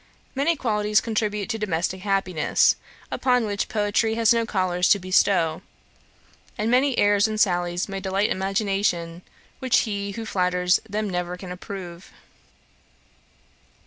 Many qualities contribute to domestic happiness, upon which poetry has no colours to bestow; and many airs and sallies may delight imagination, which he who flatters them never can approve.'